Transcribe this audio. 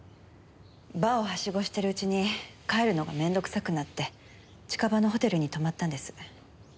バーをハシゴしてるうちに帰るのが面倒くさくなって近場のホテルに泊まったんです。